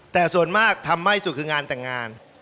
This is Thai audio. แต่ส่วนมากทำไม่สุดคืองานแต่งงาน